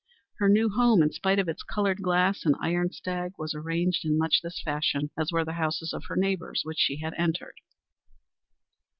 Her new home, in spite of its colored glass and iron stag, was arranged in much this fashion, as were the houses of her neighbors which she had entered.